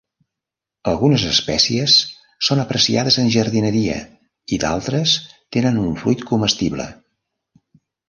Algunes espècies són apreciades en jardineria i d'altres tenen un fruit comestible.